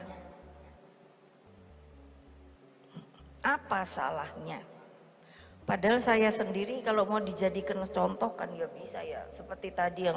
hai apa salahnya padahal saya sendiri kalau mau dijadikan contohkan ya bisa ya seperti tadi yang